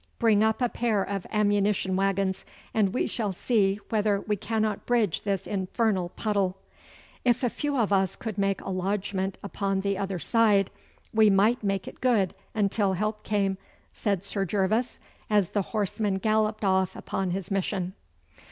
Bring up a pair of ammunition waggons, and we shall see whether we cannot bridge this infernal puddle.' 'If a few of us could make a lodgment upon the other side we might make it good until help came,' said Sir Gervas, as the horseman galloped off upon his mission.